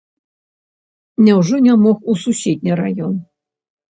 Няўжо не мог у суседні раён?